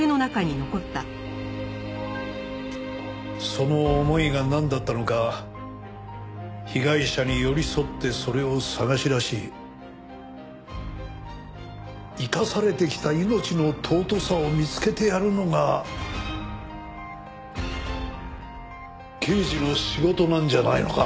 その思いがなんだったのか被害者に寄り添ってそれを探し出し生かされてきた命の尊さを見つけてやるのが刑事の仕事なんじゃないのか？